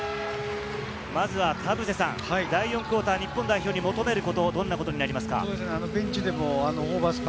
まずは田臥さん、第４クオーター日本代表に求めることはどんなことですか？